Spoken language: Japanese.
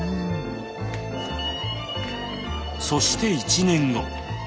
そして１年後。